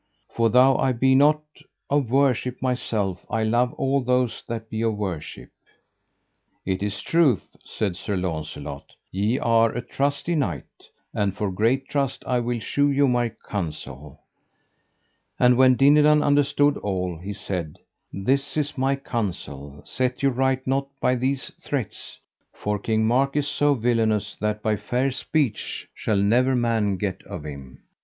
For though I be not of worship myself I love all those that be of worship. It is truth, said Sir Launcelot, ye are a trusty knight, and for great trust I will shew you my counsel. And when Dinadan understood all, he said: This is my counsel: set you right nought by these threats, for King Mark is so villainous, that by fair speech shall never man get of him.